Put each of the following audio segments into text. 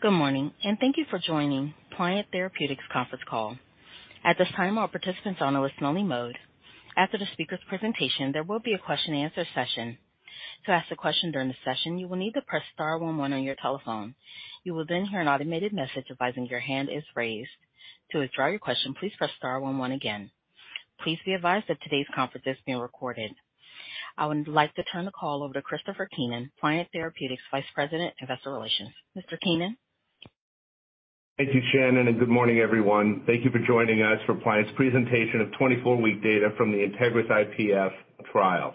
Good morning, and thank you for joining Pliant Therapeutics' conference call. At this time, all participants are on a listen only mode. After the speaker's presentation, there will be a question and answer session. To ask a question during the session, you will need to press star one one on your telephone. You will then hear an automated message advising your hand is raised. To withdraw your question, please press star one one again. Please be advised that today's conference is being recorded. I would like to turn the call over to Christopher Keenan, Pliant Therapeutics Vice President, Investor Relations. Mr. Keenan? Thank you, Shannon, and good morning, everyone. Thank you for joining us for Pliant's presentation of 24-week data from the INTEGRIS-IPF trial,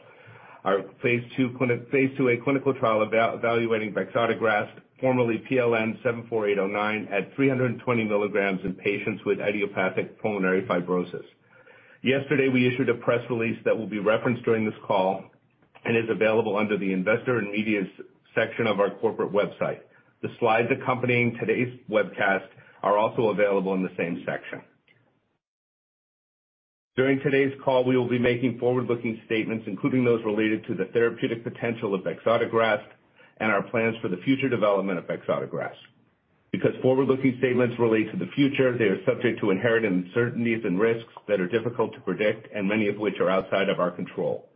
our phase 2a clinical trial evaluating bexotegrast, formerly PLN-74809 at 320 milligrams in patients with idiopathic pulmonary fibrosis. Yesterday, we issued a press release that will be referenced during this call and is available under the investor and media section of our corporate website. The slides accompanying today's webcast are also available in the same section. During today's call, we will be making forward-looking statements, including those related to the therapeutic potential of bexotegrast and our plans for the future development of bexotegrast. Forward-looking statements relate to the future, they are subject to inherent uncertainties and risks that are difficult to predict and many of which are outside of our control.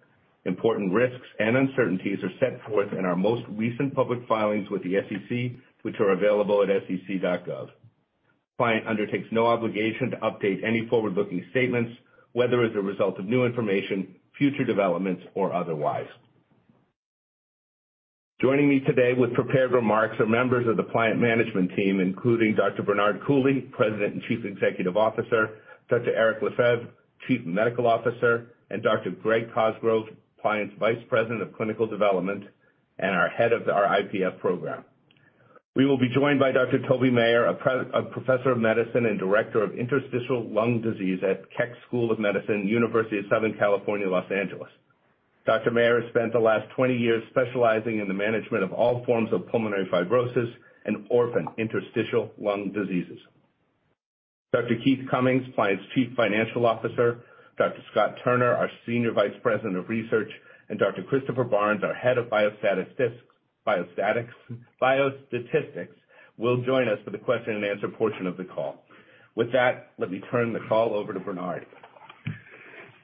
Important risks and uncertainties are set forth in our most recent public filings with the SEC, which are available at sec.gov. Pliant undertakes no obligation to update any forward-looking statements, whether as a result of new information, future developments or otherwise. Joining me today with prepared remarks are members of the Pliant management team, including Dr. Bernard Coulie, President and Chief Executive Officer, Dr. Éric Lefebvre, Chief Medical Officer, and Dr. Greg Cosgrove, Pliant's Vice President of Clinical Development and our Head of our IPF program. We will be joined by Dr. Toby Maher, a Professor of Medicine and Director of Interstitial Lung Disease at Keck School of Medicine, University of Southern California, Los Angeles. Dr. Maher has spent the last 20 years specializing in the management of all forms of pulmonary fibrosis and orphan interstitial lung diseases. Dr. Keith Cummings, Pliant's Chief Financial Officer. Scott Turner, our Senior Vice President of Research, and Dr. Christopher Barnes, our Head of Biostatistics, will join us for the question and answer portion of the call. With that, let me turn the call over to Bernard.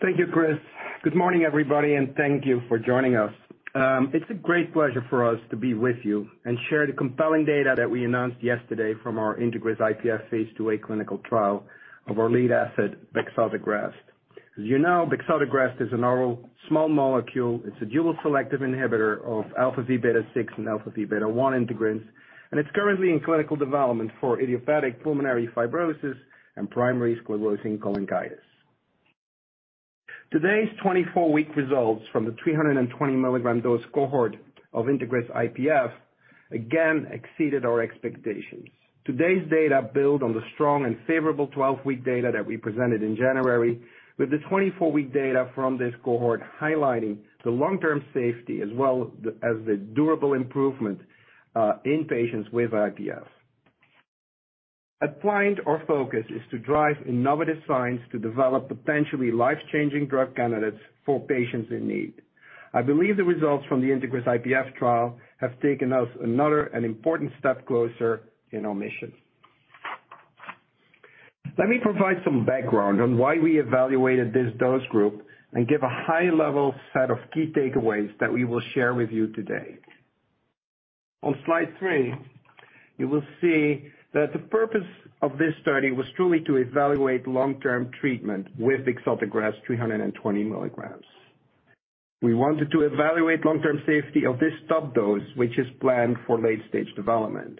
Thank you, Chris. Good morning, everybody, thank you for joining us. It's a great pleasure for us to be with you and share the compelling data that we announced yesterday from our INTEGRIS-IPF phase 2a clinical trial of our lead asset, bexotegrast. As you know, bexotegrast is an oral small molecule. It's a dual selective inhibitor of αvβ6 and αvβ1 integrins. It's currently in clinical development for idiopathic pulmonary fibrosis and primary sclerosing cholangitis. Today's 24-week results from the 320-milligram dose cohort of INTEGRIS-IPF again exceeded our expectations. Today's data build on the strong and favorable 12-week data that we presented in January, with the 24-week data from this cohort highlighting the long-term safety as well as the durable improvement in patients with IPF. At Pliant, our focus is to drive innovative science to develop potentially life-changing drug candidates for patients in need. I believe the results from the INTEGRIS-IPF trial have taken us another and important step closer in our mission. Let me provide some background on why we evaluated this dose group and give a high level set of key takeaways that we will share with you today. On slide three, you will see that the purpose of this study was truly to evaluate long-term treatment with bexotegrast 320 milligrams. We wanted to evaluate long-term safety of this top dose, which is planned for late stage development.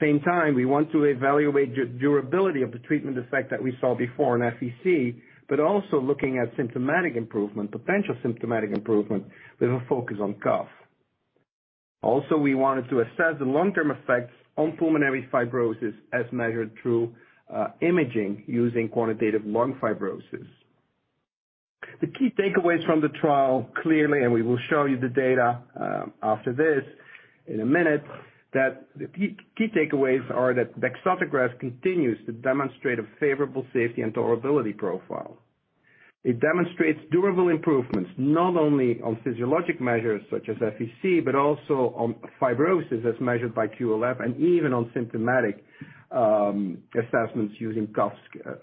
Same time, we want to evaluate durability of the treatment effect that we saw before in FVC, but also looking at symptomatic improvement, potential symptomatic improvement with a focus on cough. Also, we wanted to assess the long-term effects on pulmonary fibrosis as measured through imaging using Quantitative Lung Fibrosis. The key takeaways from the trial, clearly, and we will show you the data after this in a minute, that the key takeaways are that bexotegrast continues to demonstrate a favorable safety and tolerability profile. It demonstrates durable improvements, not only on physiologic measures such as FVC, but also on fibrosis as measured by QLF and even on symptomatic assessments using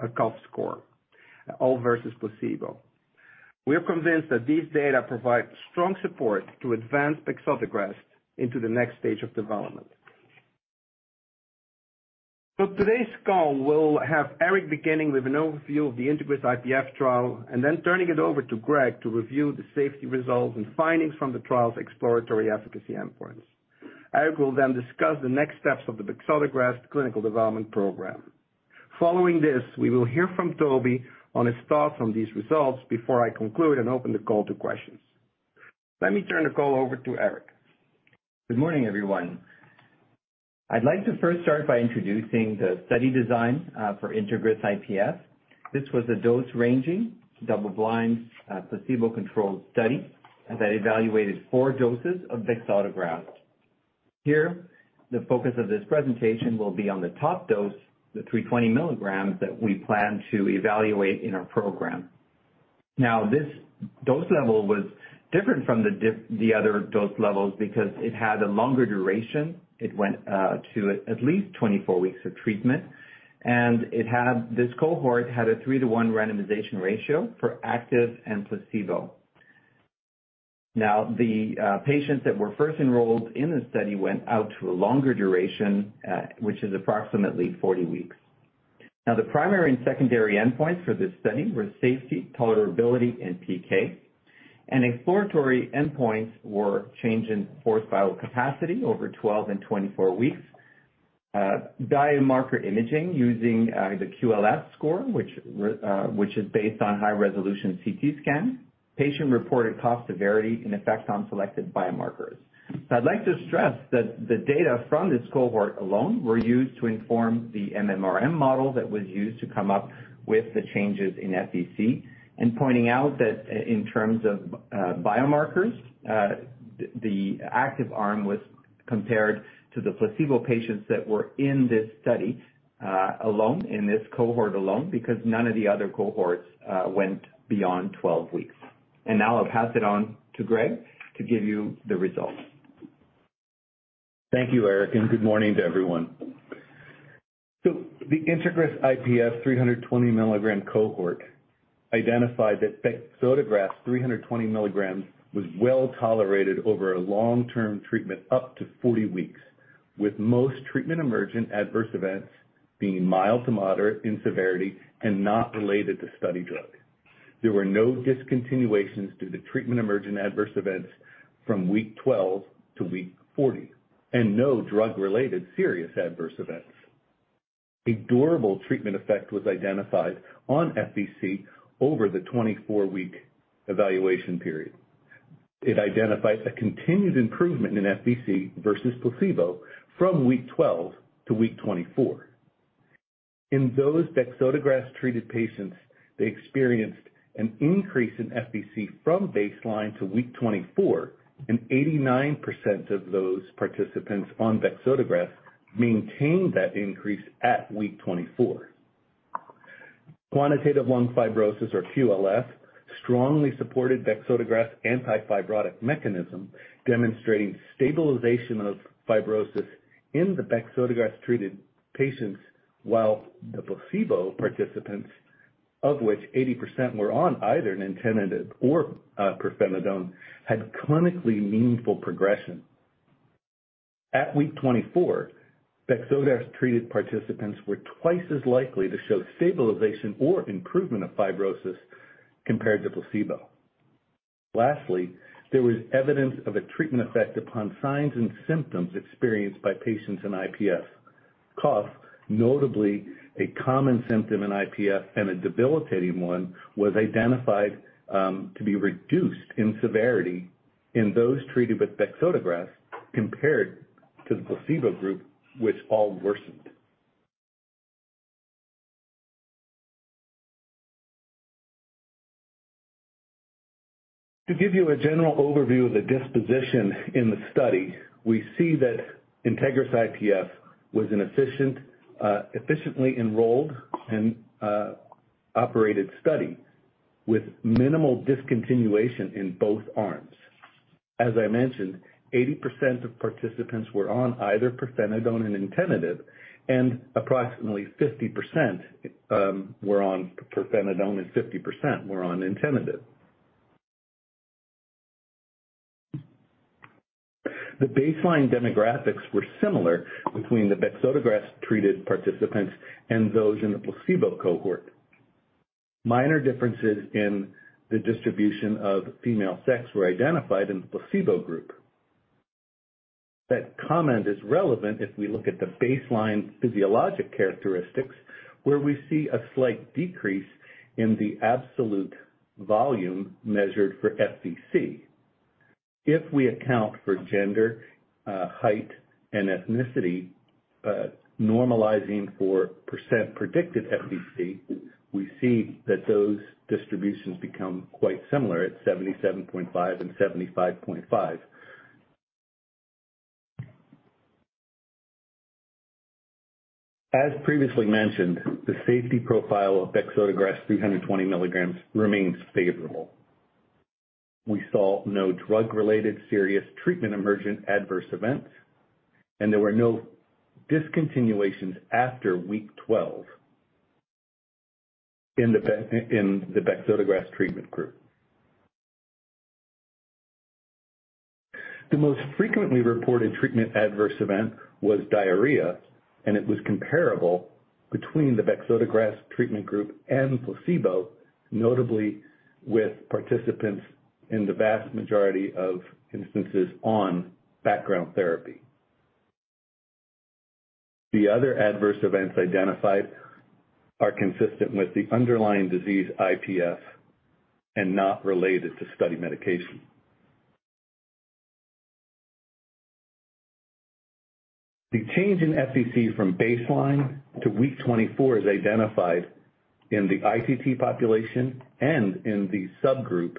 a cough score, all versus placebo. We are convinced that these data provide strong support to advance bexotegrast into the next stage of development. Today's call will have Eric beginning with an overview of the INTEGRIS-IPF trial and then turning it over to Greg to review the safety results and findings from the trial's exploratory efficacy endpoints. Eric will discuss the next steps of the bexotegrast clinical development program. Following this, we will hear from Toby on his thoughts on these results before I conclude and open the call to questions. Let me turn the call over to Eric. Good morning, everyone. I'd like to first start by introducing the study design for INTEGRIS-IPF. This was a dose-ranging, double-blind, placebo-controlled study that evaluated four doses of bexotegrast. Here, the focus of this presentation will be on the top dose, the 320 milligrams that we plan to evaluate in our program. This dose level was different from the other dose levels because it had a longer duration. It went to at least 24 weeks of treatment, and this cohort had a 3-to-1 randomization ratio for active and placebo. The patients that were first enrolled in the study went out to a longer duration, which is approximately 40 weeks. The primary and secondary endpoints for this study were safety, tolerability, and PK. Exploratory endpoints were change in forced vital capacity over 12 and 24 weeks, biomarker imaging using the QLF score, which is based on high-resolution CT scan, patient-reported cough severity, and effect on selected biomarkers. I'd like to stress that the data from this cohort alone were used to inform the MMRM model that was used to come up with the changes in FVC. Pointing out that in terms of biomarkers, the active arm was compared to the placebo patients that were in this study alone, in this cohort alone, because none of the other cohorts went beyond 12 weeks. Now I'll pass it on to Greg to give you the results. Thank you, Éric, good morning to everyone. The INTEGRIS-IPF 320 mg cohort identified that bexotegrast 320 mg was well-tolerated over a long-term treatment up to 40 weeks, with most treatment-emergent adverse events being mild to moderate in severity and not related to study drug. There were no discontinuations due to treatment-emergent adverse events from week 12 to week 40, and no drug-related serious adverse events. A durable treatment effect was identified on FVC over the 24-week evaluation period. It identifies a continued improvement in FVC versus placebo from week 12 to week 24. In those bexotegrast treated patients, they experienced an increase in FVC from baseline to week 24, and 89% of those participants on bexotegrast maintained that increase at week 24. Quantitative Lung Fibrosis or QLF strongly supported bexotegrast's anti-fibrotic mechanism, demonstrating stabilization of fibrosis in the bexotegrast treated patients, while the placebo participants, of which 80% were on either nintedanib or pirfenidone, had clinically meaningful progression. At week 24, bexotegrast treated participants were twice as likely to show stabilization or improvement of fibrosis compared to placebo. Lastly, there was evidence of a treatment effect upon signs and symptoms experienced by patients in IPF. Cough, notably a common symptom in IPF and a debilitating one, was identified to be reduced in severity in those treated with bexotegrast compared to the placebo group, which all worsened. To give you a general overview of the disposition in the study, we see that INTEGRIS-IPF was an efficient, efficiently enrolled and operated study with minimal discontinuation in both arms. As I mentioned, 80% of participants were on either pirfenidone and nintedanib, and approximately 50% were on pirfenidone and 50% were on nintedanib. The baseline demographics were similar between the bexotegrast-treated participants and those in the placebo cohort. Minor differences in the distribution of female sex were identified in the placebo group. That comment is relevant if we look at the baseline physiologic characteristics, where we see a slight decrease in the absolute volume measured for FVC. If we account for gender, height, and ethnicity, normalizing for percent predicted FVC, we see that those distributions become quite similar at 77.5 and 75.5. As previously mentioned, the safety profile of bexotegrast 320 milligrams remains favorable. We saw no drug-related serious treatment-emergent adverse events. There were no discontinuations after week 12 in the bexotegrast treatment group. The most frequently reported treatment adverse event was diarrhea. It was comparable between the bexotegrast treatment group and placebo, notably with participants in the vast majority of instances on background therapy. The other adverse events identified are consistent with the underlying disease IPF and not related to study medication. The change in FVC from baseline to week 24 is identified in the ITT population and in the subgroup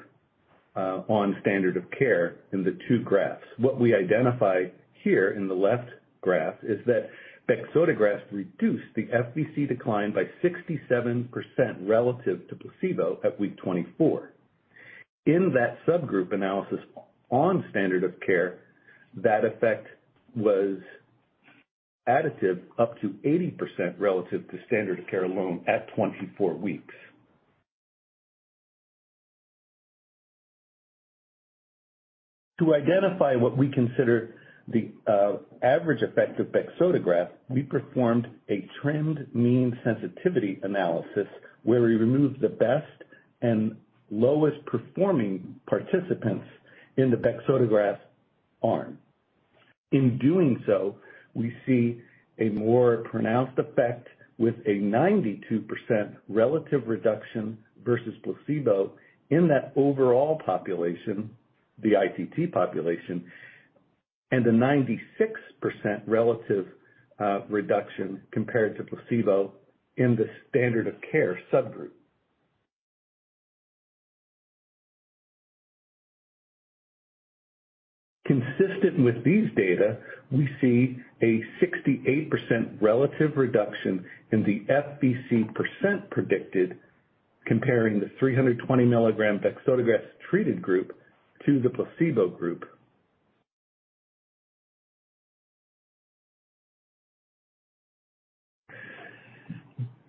on standard of care in the two graphs. What we identify here in the left graph is that bexotegrast reduced the FVC decline by 67% relative to placebo at week 24. In that subgroup analysis on standard of care, that effect was additive up to 80% relative to standard of care alone at 24 weeks. To identify what we consider the average effect of bexotegrast, we performed a trimmed mean sensitivity analysis where we removed the best and lowest performing participants in the bexotegrast arm. In doing so, we see a more pronounced effect with a 92% relative reduction versus placebo in that overall population, the ITT population, and a 96% relative reduction compared to placebo in the standard of care subgroup. Consistent with these data, we see a 68% relative reduction in the FVC % predicted comparing the 320 milligram bexotegrast treated group to the placebo group.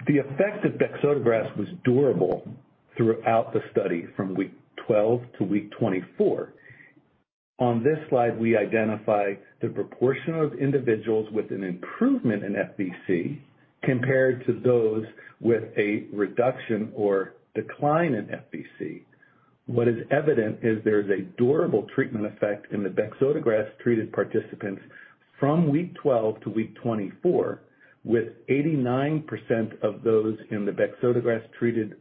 The effect of bexotegrast was durable throughout the study from week 12 to week 24. On this slide, we identify the proportion of individuals with an improvement in FVC compared to those with a reduction or decline in FVC. What is evident is there's a durable treatment effect in the bexotegrast-treated participants from week 12 to week 24, with 89% of those in the bexotegrast-treated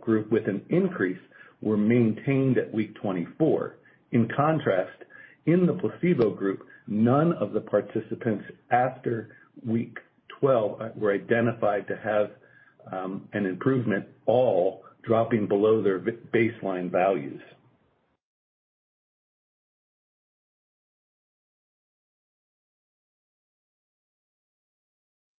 group with an increase were maintained at week 24. In contrast, in the placebo group, none of the participants after week 12 were identified to have an improvement, all dropping below their baseline values.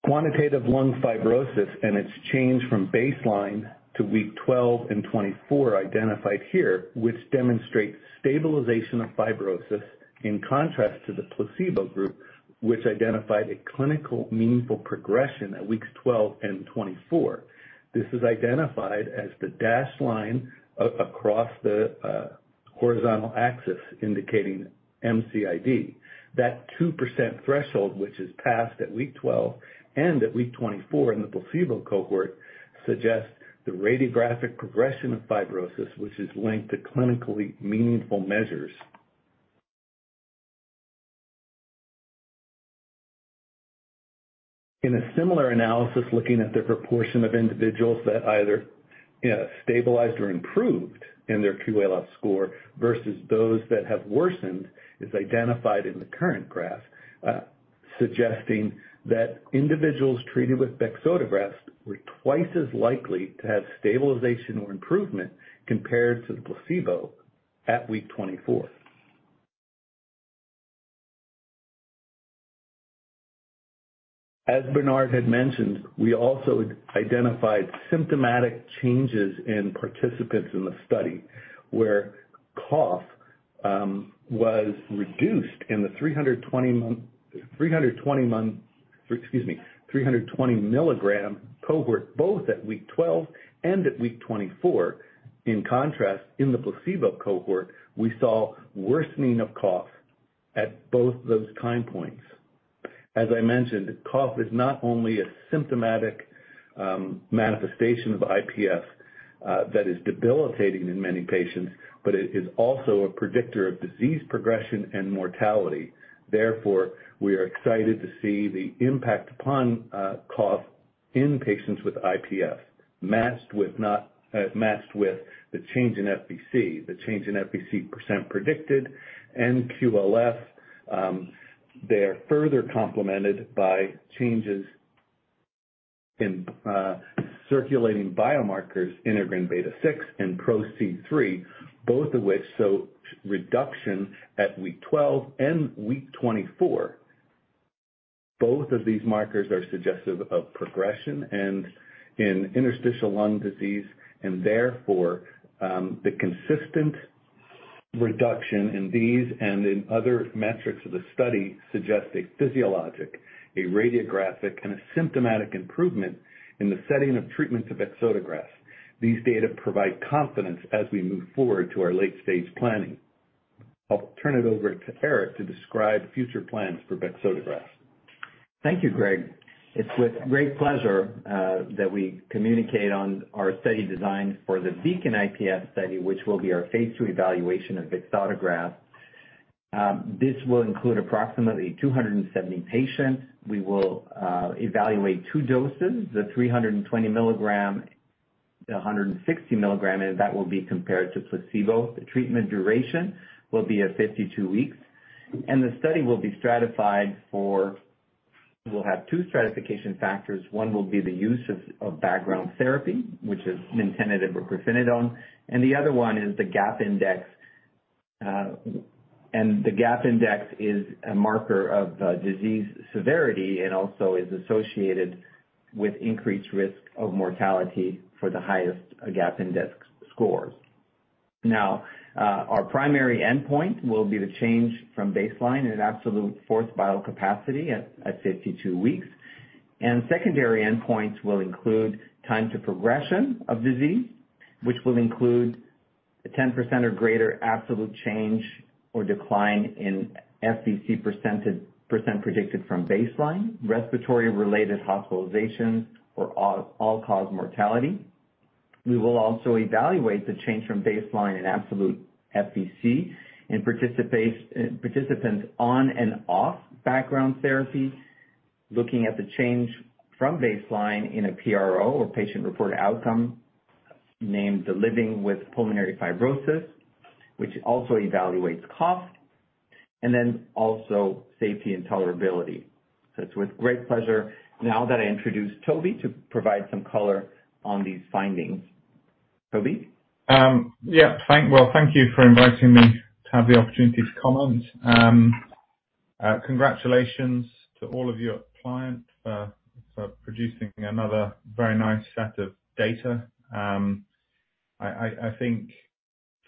Quantitative Lung Fibrosis and its change from baseline to week 12 and 24 identified here, which demonstrates stabilization of fibrosis in contrast to the placebo group, which identified a clinical meaningful progression at weeks 12 and 24. This is identified as the dashed line across the horizontal axis indicating MCID. That 2% threshold, which is passed at week 12 and at week 24 in the placebo cohort, suggests the radiographic progression of fibrosis, which is linked to clinically meaningful measures. In a similar analysis looking at the proportion of individuals that either, you know, stabilized or improved in their QLF score versus those that have worsened is identified in the current graph, suggesting that individuals treated with bexotegrast were twice as likely to have stabilization or improvement compared to the placebo at week 24. As Bernard had mentioned, we also identified symptomatic changes in participants in the study where cough was reduced in the 320 milligram cohort, both at week 12 and at week 24. In contrast, in the placebo cohort, we saw worsening of cough at both those time points. As I mentioned, cough is not only a symptomatic manifestation of IPF that is debilitating in many patients, but it is also a predictor of disease progression and mortality. Therefore, we are excited to see the impact upon cough in patients with IPF matched with the change in FVC. The change in FVC % predicted and QLF, they are further complemented by changes in circulating biomarkers integrin beta-6 and PRO-C3, both of which show reduction at week 12 and week 24. Both of these markers are suggestive of progression in interstitial lung disease and therefore, the consistent reduction in these and in other metrics of the study suggest a physiologic, a radiographic, and a symptomatic improvement in the setting of treatment of bexotegrast. These data provide confidence as we move forward to our late-stage planning. I'll turn it over to Eric to describe future plans for bexotegrast. Thank you, Greg. It's with great pleasure that we communicate on our study designs for the BEACON-IPF study, which will be our phase 2b evaluation of bexotegrast. This will include approximately 270 patients. We will evaluate two doses, the 320 mg, 160 mg, and that will be compared to placebo. The treatment duration will be at 52 weeks, and the study will be stratified. We'll have two stratification factors. One will be the use of background therapy, which is nintedanib or pirfenidone, and the other one is the GAP index. The GAP index is a marker of disease severity and also is associated with increased risk of mortality for the highest GAP index scores. Our primary endpoint will be the change from baseline in an absolute forced vital capacity at 52 weeks. Secondary endpoints will include time to progression of disease, which will include a 10% or greater absolute change or decline in FVC % predicted from baseline, respiratory-related hospitalizations or all-cause mortality. We will also evaluate the change from baseline in absolute FVC in participants on and off background therapy, looking at the change from baseline in a PRO, or patient-reported outcome, named the Living with Pulmonary Fibrosis, which also evaluates cost, and then also safety and tolerability. It's with great pleasure now that I introduce Toby to provide some color on these findings. Toby? Yeah. Well, thank you for inviting me to have the opportunity to comment. Congratulations to all of your clients for producing another very nice set of data. I think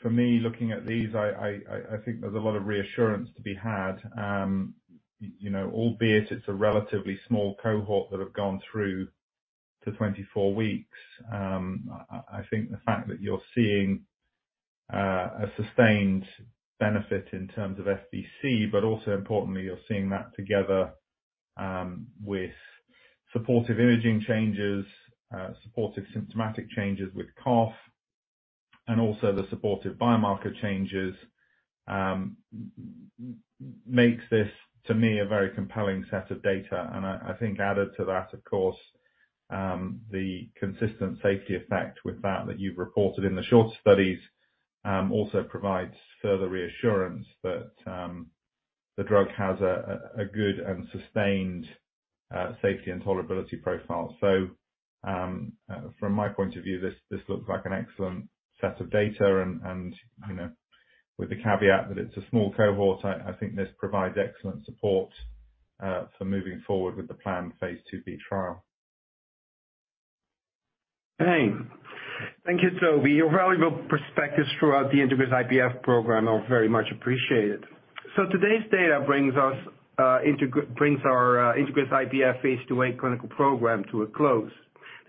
for me, looking at these, I think there's a lot of reassurance to be had. You know, albeit it's a relatively small cohort that have gone through to 24 weeks, I think the fact that you're seeing a sustained benefit in terms of FVC, but also importantly, you're seeing that together with supportive imaging changes, supportive symptomatic changes with cough, and also the supportive biomarker changes makes this, to me, a very compelling set of data. I think added to that, of course, the consistent safety effect with that that you've reported in the short studies, also provides further reassurance that the drug has a good and sustained safety and tolerability profile. From my point of view, this looks like an excellent set of data. You know, with the caveat that it's a small cohort, I think this provides excellent support for moving forward with the planned phase 2b trial. Thanks. Thank you, Toby. Your valuable perspectives throughout the INTEGRIS-IPF program are very much appreciated. Today's data brings our INTEGRIS-IPF phase 2a clinical program to a close.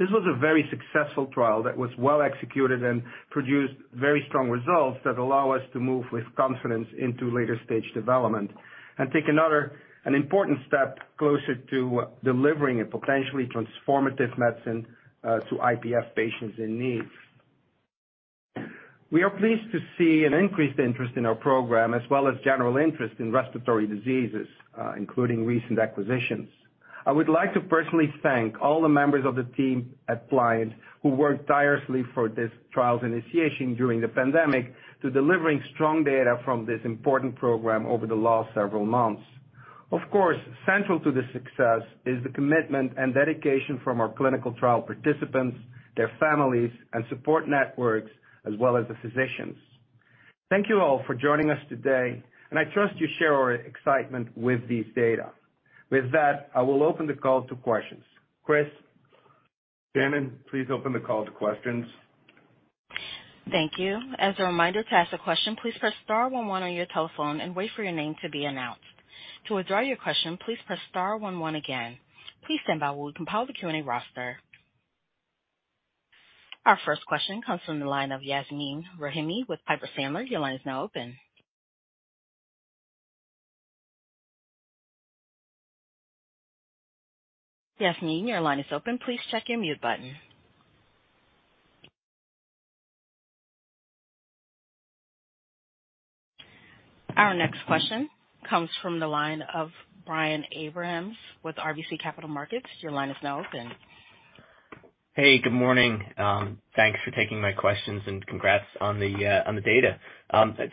This was a very successful trial that was well executed and produced very strong results that allow us to move with confidence into later stage development and take another, an important step closer to delivering a potentially transformative medicine to IPF patients in need. We are pleased to see an increased interest in our program, as well as general interest in respiratory diseases, including recent acquisitions. I would like to personally thank all the members of the team at Pliant who worked tirelessly for this trial's initiation during the pandemic to delivering strong data from this important program over the last several months. Of course, central to this success is the commitment and dedication from our clinical trial participants, their families and support networks, as well as the physicians. Thank you all for joining us today, and I trust you share our excitement with these data. With that, I will open the call to questions. Chris? Shannon, please open the call to questions. Thank you. As a reminder, to ask a question, please press star one one on your telephone and wait for your name to be announced. To withdraw your question, please press star one one again. Please stand by while we compile the Q&A roster. Our first question comes from the line of Yasmeen Rahimi with Piper Sandler. Your line is now open. Yasmin, your line is open. Please check your mute button. Our next question comes from the line of Brian Abrahams with RBC Capital Markets. Your line is now open. Hey, good morning. Thanks for taking my questions and congrats on the data.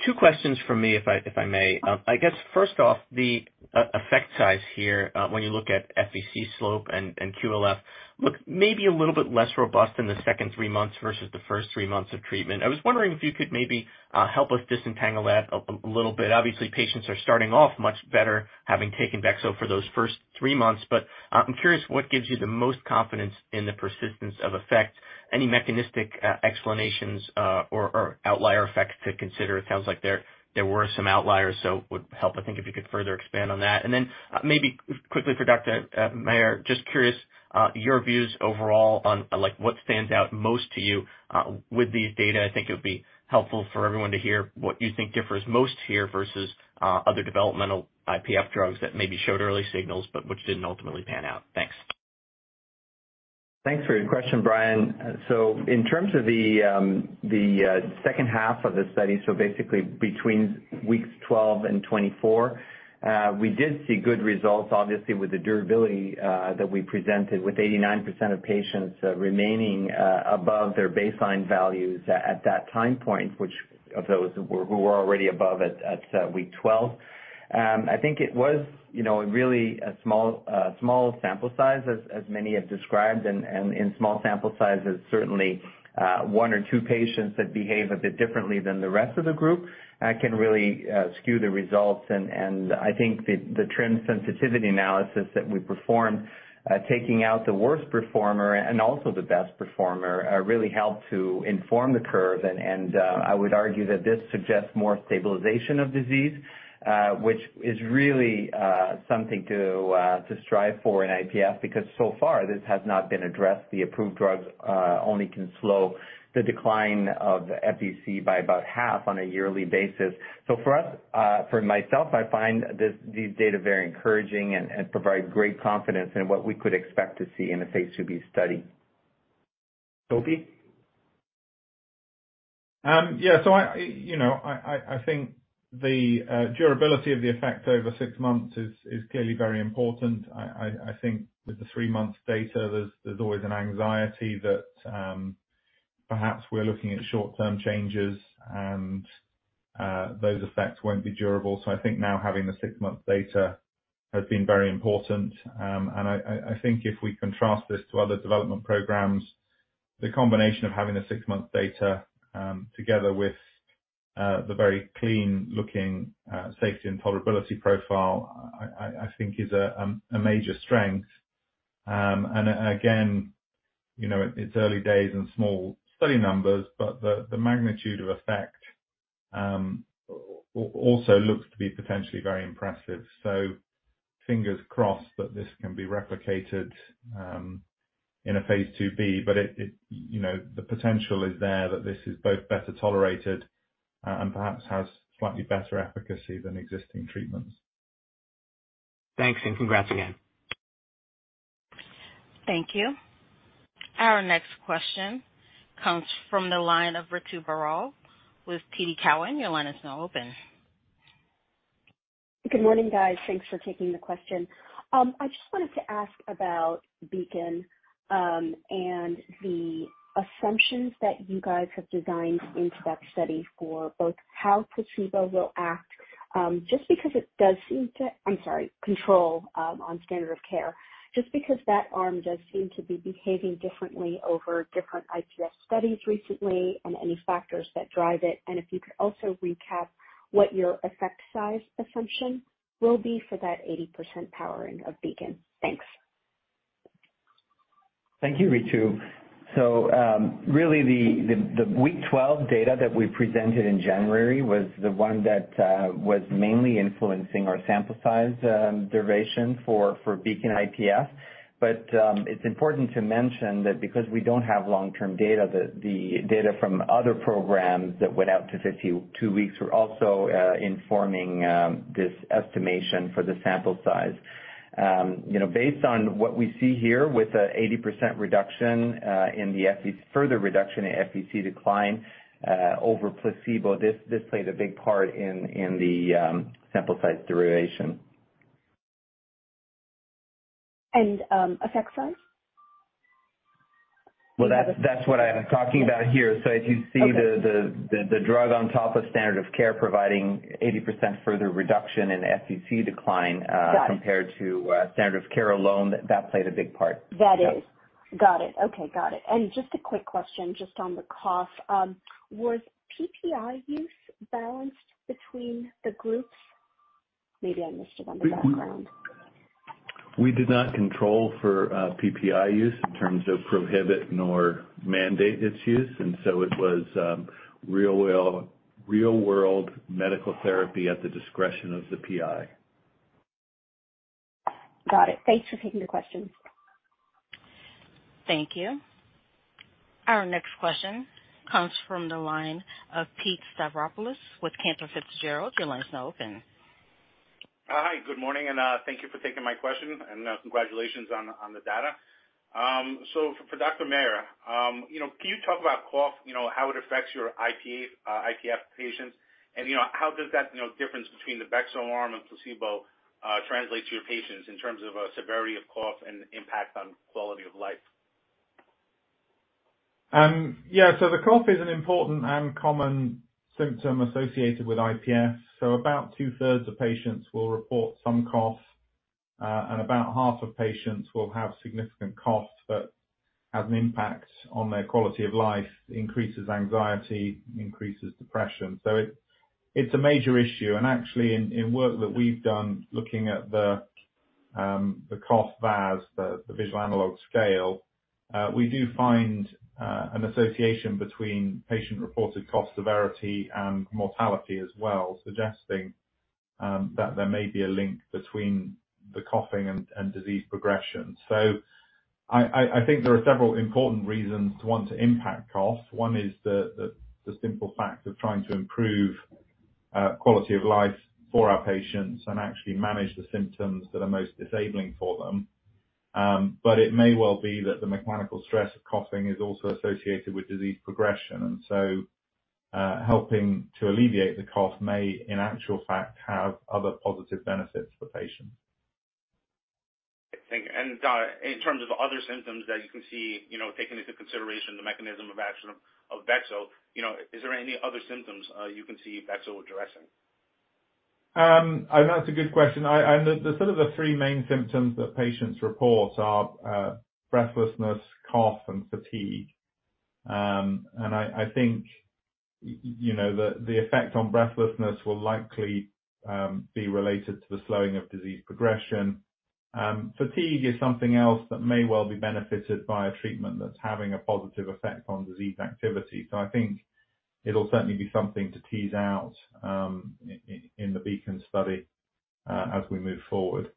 Two questions from me if I may. I guess first off, the effect size here, when you look at FVC slope and QLF, look maybe a little bit less robust in the second three months versus the first three months of treatment. I was wondering if you could maybe help us disentangle that a little bit. Obviously, patients are starting off much better having taken beksa for those first three months. I'm curious what gives you the most confidence in the persistence of effect. Any mechanistic explanations, or outlier effects to consider? It sounds like there were some outliers, so it would help, I think, if you could further expand on that. Maybe quickly for Dr. Maher, just curious, your views overall on, like what stands out most to you with these data? I think it would be helpful for everyone to hear what you think differs most here versus other developmental IPF drugs that maybe showed early signals but which didn't ultimately pan out. Thanks. Thanks for your question, Brian. In terms of the second half of the study, basically between weeks 12 and 24, we did see good results, obviously with the durability that we presented with 89% of patients remaining above their baseline values at that time point, which of those were, who were already above it at week 12. I think it was, you know, really a small sample size as many have described. In small sample sizes, certainly, one or two patients that behave a bit differently than the rest of the group can really skew the results. I think the trimmed mean sensitivity analysis that we performed, taking out the worst performer and also the best performer, really helped to inform the curve. I would argue that this suggests more stabilization of disease, which is really something to strive for in IPF because so far this has not been addressed. The approved drugs only can slow the decline of FVC by about half on a yearly basis. For us, for myself, I find these data very encouraging and provide great confidence in what we could expect to see in the phase 2b study. Toby? Yeah. I, you know, I, I think the durability of the effect over six months is clearly very important. I think with the three-month data, there's always an anxiety that perhaps we're looking at short-term changes and those effects won't be durable. I think now having the six-month data has been very important. I think if we contrast this to other development programs, the combination of having the six-month data together with the very clean looking safety and tolerability profile, I think is a major strength. Again, you know, it's early days and small study numbers, but the magnitude of effect also looks to be potentially very impressive. Fingers crossed that this can be replicated in a phase 2b. But it... You know, the potential is there that this is both better tolerated and perhaps has slightly better efficacy than existing treatments. Thanks, and congrats again. Thank you. Our next question comes from the line of Ritu Baral with TD Cowen. Your line is now open. Good morning, guys. Thanks for taking the question. I just wanted to ask about BEACON, and the assumptions that you guys have designed into that study for both how placebo will act, I'm sorry, control, on standard of care. Just because that arm does seem to be behaving differently over different IPF studies recently and any factors that drive it. If you could also recap what your effect size assumption will be for that 80% powering of BEACON. Thanks. Thank you, Ritu. Really the week 12 data that we presented in January was the one that was mainly influencing our sample size duration for BEACON-IPF. It's important to mention that because we don't have long-term data, the data from other programs that went out to 52 weeks were also informing this estimation for the sample size. You know, based on what we see here with an 80% reduction in FVC decline over placebo, this played a big part in the sample size duration. Effect size? Well, that's what I'm talking about here. Okay. If you see the drug on top of standard of care providing 80% further reduction in FVC decline. Got it. compared to standard of care alone, that played a big part. That is. Yeah. Got it. Okay. Got it. Just a quick question just on the cough. Was PPI use balanced between the groups? Maybe I missed it on the background. We did not control for PPI use in terms of prohibit nor mandate its use. It was real-world medical therapy at the discretion of the PI. Got it. Thanks for taking the question. Thank you. Our next question comes from the line of Pete Stavropoulos with Cantor Fitzgerald. Your line is now open. Hi. Good morning, and thank you for taking my question, and congratulations on the data. For Dr. Maher, you know, can you talk about cough, you know, how it affects your IPF patients? You know, how does that, you know, difference between the bexo arm and placebo translate to your patients in terms of severity of cough and impact on quality of life? The cough is an important and common symptom associated with IPF. About two-thirds of patients will report some cough, and about half of patients will have significant cough that has an impact on their quality of life, increases anxiety, increases depression. It's a major issue. Actually in work that we've done looking at the cough VAS, the visual analog scale, we do find an association between patient-reported cough severity and mortality as well, suggesting that there may be a link between the coughing and disease progression. I think there are several important reasons to want to impact cough. One is the simple fact of trying to improve quality of life for our patients and actually manage the symptoms that are most disabling for them. It may well be that the mechanical stress of coughing is also associated with disease progression, helping to alleviate the cough may in actual fact have other positive benefits for patients. Thank you. In terms of other symptoms that you can see, you know, taking into consideration the mechanism of action of bexo, you know, is there any other symptoms you can see bexo addressing? That's a good question. I, and the sort of the three main symptoms that patients report are breathlessness, cough, and fatigue. I think, you know, the effect on breathlessness will likely be related to the slowing of disease progression. Fatigue is something else that may well be benefited by a treatment that's having a positive effect on disease activity. I think it'll certainly be something to tease out in the BEACON study as we move forward.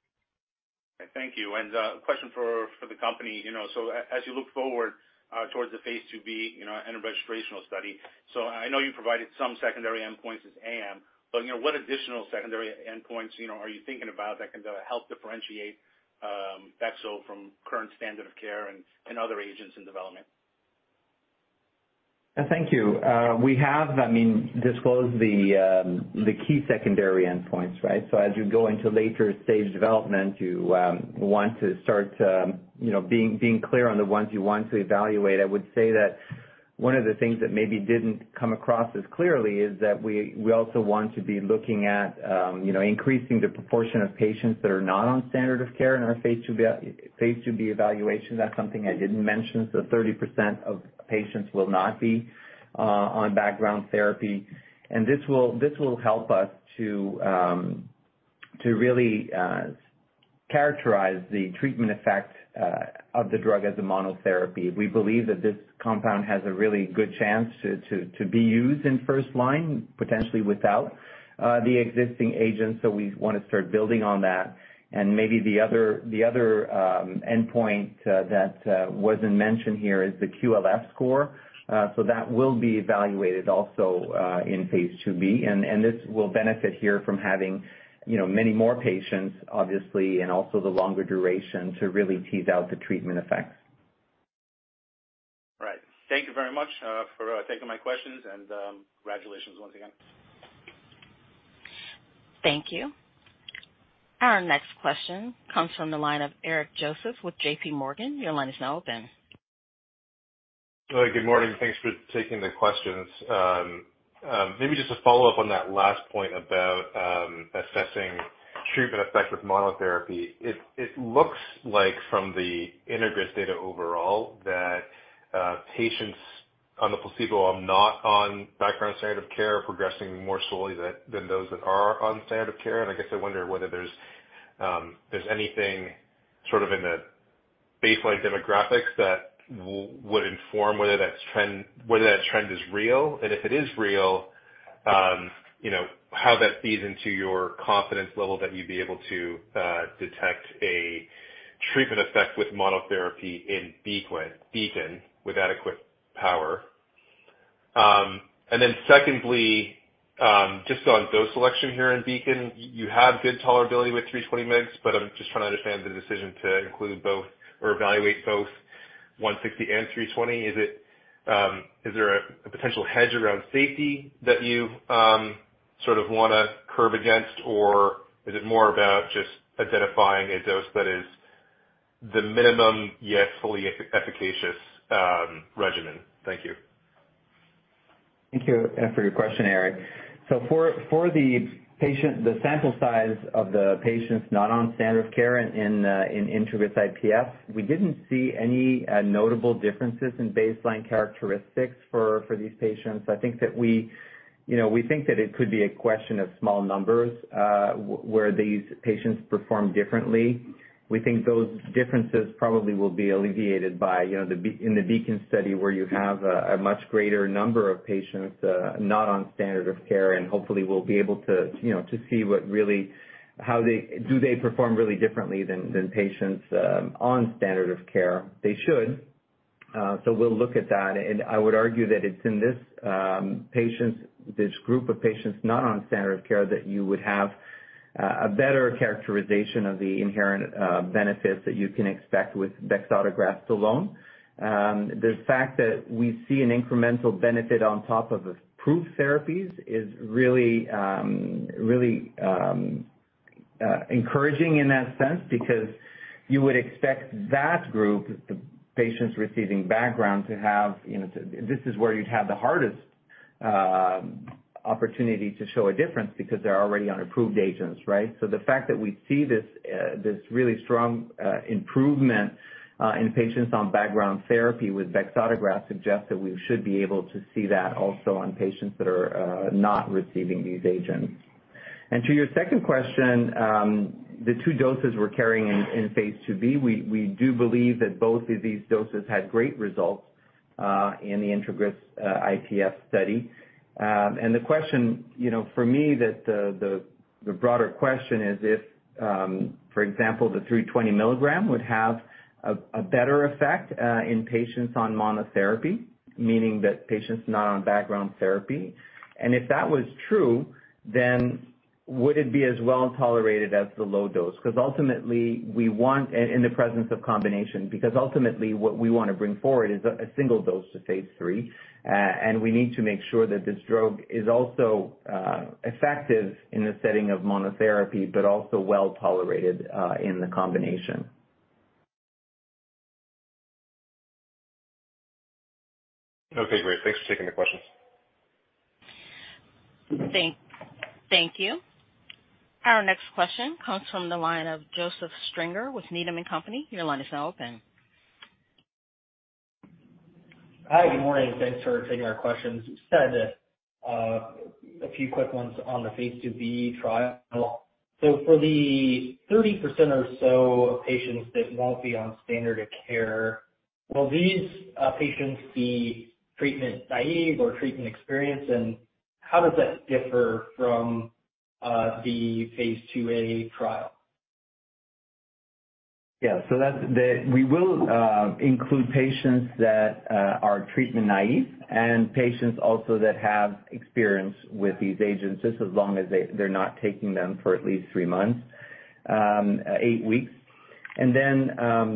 Thank you. Question for the company. You know, as you look forward towards the phase 2b, you know, and a registrational study, I know you provided some secondary endpoints as AM, what additional secondary endpoints, you know, are you thinking about that can help differentiate bexo from current standard of care and other agents in development? Yeah. Thank you. We have, I mean, disclosed the key secondary endpoints, right? As you go into later stage development, you want to start to, you know, being clear on the ones you want to evaluate. I would say that one of the things that maybe didn't come across as clearly is that we also want to be looking at, you know, increasing the proportion of patients that are not on standard of care in our phase 2b evaluation. That's something I didn't mention. 30% of patients will not be on background therapy. This will help us to really characterize the treatment effect of the drug as a monotherapy. We believe that this compound has a really good chance to be used in first line, potentially without the existing agents. We wanna start building on that. Maybe the other endpoint that wasn't mentioned here is the QLF score. That will be evaluated also in phase 2b. This will benefit here from having, you know, many more patients, obviously, and also the longer duration to really tease out the treatment effects. Right. Thank you very much, for taking my questions and, congratulations once again. Thank you. Our next question comes from the line of Eric Joseph with J.P. Morgan. Your line is now open. Good morning. Thanks for taking the questions. Maybe just a follow-up on that last point about assessing treatment effect with monotherapy. It looks like from the INTEGRIS data overall that patients on the placebo are not on background standard of care progressing more slowly that, than those that are on standard of care. I guess I wonder whether there's anything sort of in the baseline demographics that would inform whether that trend is real, and if it is real, you know, how that feeds into your confidence level that you'd be able to detect a treatment effect with monotherapy in BEACON with adequate power. Secondly, just on dose selection here in BEACON. You have good tolerability with 320 mg, but I'm just trying to understand the decision to include both or evaluate both 160 and 320. Is it, is there a potential hedge around safety that you sort of wanna curve against, or is it more about just identifying a dose that is the minimum, yet fully efficacious regimen? Thank you. Thank you for your question, Eric. For the patient, the sample size of the patients not on standard of care in INTEGRIS-IPF, we didn't see any notable differences in baseline characteristics for these patients. I think that we, you know, we think that it could be a question of small numbers where these patients perform differently. We think those differences probably will be alleviated by, you know, the BEACON study where you have a much greater number of patients not on standard of care, and hopefully we'll be able to, you know, to see what really, how they perform really differently than patients on standard of care? They should. We'll look at that. I would argue that it's in this patients, this group of patients not on standard of care that you would have a better characterization of the inherent benefits that you can expect with bexotegrast alone. The fact that we see an incremental benefit on top of approved therapies is really, really encouraging in that sense because you would expect that group, the patients receiving background, to have, you know. This is where you'd have the hardest opportunity to show a difference because they're already on approved agents, right? The fact that we see this really strong improvement in patients on background therapy with bexotegrast suggests that we should be able to see that also on patients that are not receiving these agents. To your second question, the two doses we're carrying in phase 2b, we do believe that both of these doses had great results in the INTEGRIS-IPF study. The question, you know, for me, the broader question is if, for example, the 320 milligram would have a better effect in patients on monotherapy, meaning that patients not on background therapy. If that was true, then would it be as well tolerated as the low dose? Because ultimately, what we wanna bring forward is a single dose to phase 3. we need to make sure that this drug is also effective in the setting of monotherapy, but also well tolerated in the combination. Okay, great. Thanks for taking the questions. Thank you. Our next question comes from the line of Joseph Stringer with Needham & Company. Your line is now open. Hi, good morning. Thanks for taking our questions. Just had a few quick ones on the phase 2b trial. For the 30% or so of patients that won't be on standard of care, will these patients be treatment naive or treatment experienced? How does that differ from the phase 2a trial? We will include patients that are treatment naive and patients also that have experience with these agents, just as long as they're not taking them for at least three months, eight weeks. That's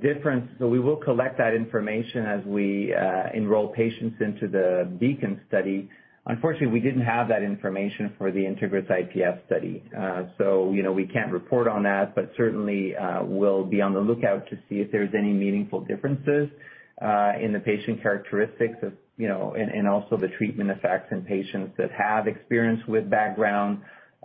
different. We will collect that information as we enroll patients into the BEACON study. Unfortunately, we didn't have that information for the INTEGRIS IPF study. You know, we can't report on that, but certainly, we'll be on the lookout to see if there's any meaningful differences in the patient characteristics of, you know, and also the treatment effects in patients that have experience with background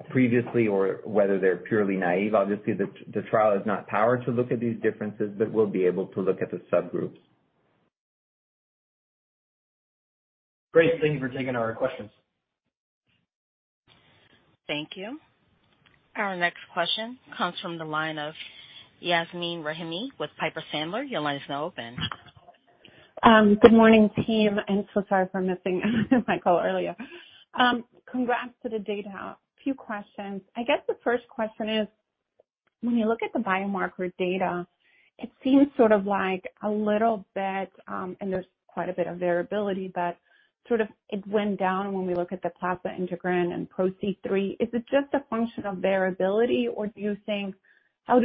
previously or whether they're purely naive. Obviously, the trial is not powered to look at these differences, but we'll be able to look at the subgroups. Great. Thank you for taking our questions. Thank you. Our next question comes from the line of Yasmeen Rahimi with Piper Sandler. Your line is now open. Good morning, team, sorry for missing my call earlier. Congrats to the data. A few questions. I guess the first question is, when you look at the biomarker data, it seems sort of like a little bit, there's quite a bit of variability, but sort of it went down when we look at the plasma integrin and PRO-C3. Is it just a function of variability, or do you think how